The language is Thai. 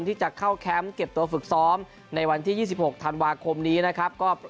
ที่จะเข้าแคมป์เก็บตัวฝึกซ้อมในวันที่๒๖ธันวาคมนี้นะครับ